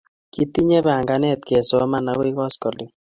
Kitinye panganet kesoman akoi koskoling'